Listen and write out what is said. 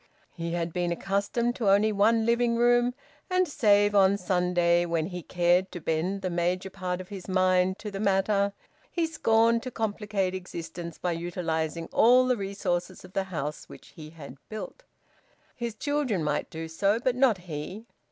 He had been accustomed to only one living room, and save on Sunday, when he cared to bend the major part of his mind to the matter, he scorned to complicate existence by utilising all the resources of the house which he had built. His children might do so; but not he.